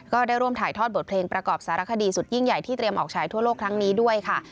ก็ได้ร่วมถ่ายทอดบทเพลงประกอบสารคดีสุดยิ่งใหญ่ที่เตรียมออกฉายทั่วโลกครั้งนี้ด้วยค่ะ